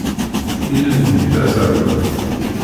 Ilel-nni d aẓerwal.